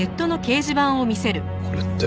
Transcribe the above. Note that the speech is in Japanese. これって。